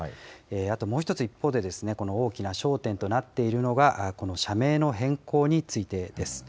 あともう一つ、一方で、この大きな焦点となっているのが、この社名の変更についてです。